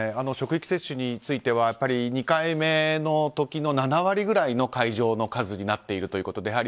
職域接種については２回目の時の７割ぐらいの会場の数になっているということで。